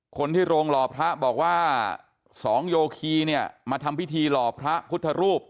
คนที่โรงหล่อพระบอกว่าสองโยคีเนี่ยมาทำพิธีหล่อพระพุทธรูป